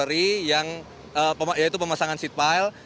pemerintah ini sudah memiliki pengguna jalan yang berbeda